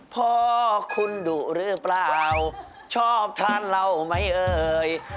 พ่อคุณดุหรือเปล่าชอบทานเหล้าไหมเอ่ย